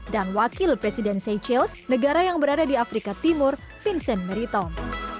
dan wakil presiden seychelles negara yang berada di afrika timur vincent meriton